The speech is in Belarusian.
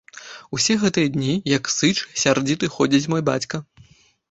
Усе гэтыя дні, як сыч, сярдзіты ходзіць мой бацька.